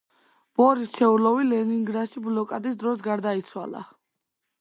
ბორის რჩეულოვი ლენინგრადში ბლოკადის დროს გარდაიცვალა.